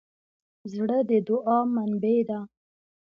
زړه د دوعا منبع ده.